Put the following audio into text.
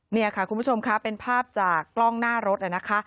นี่ค่ะคุณผู้ชมค่ะเป็นภาพจากกล้องหน้ารถนะคะ